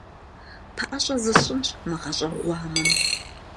ПэӀэщӀэ зысщӀынщ мы гъащӀэ гъуамэм.